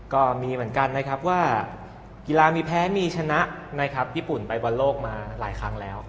ก็มีเหมือนกันนะครับว่ากีฬามีแพ้มีชนะนะครับญี่ปุ่นไปบอลโลกมาหลายครั้งแล้ว